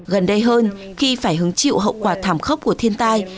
gần đây hơn khi phải hứng chịu hậu quả thảm khốc của thiên tai